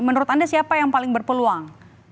menurut anda siapa yang paling berpeluang